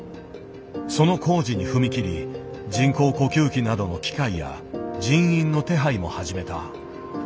その工事に踏み切り人工呼吸器などの機械や人員の手配も始めた。